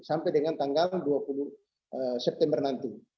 sampai dengan tanggal dua puluh september nanti